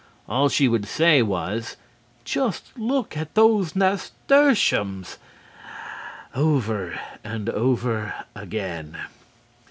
All she would say was, "Just look at those nasturtiums!" over and over again.